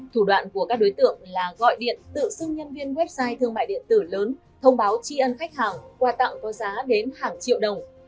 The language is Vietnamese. thủ đoạn của các đối tượng là gọi điện tự xưng nhân viên website thương mại điện tử lớn thông báo tri ân khách hàng quà tặng có giá đến hàng triệu đồng